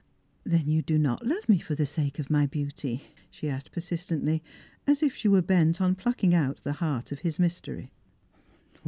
" 'L'hen you do not love me for the sake of my beauty ?" she asked persistently, as if she were bent on plucking out the heart of his mystery.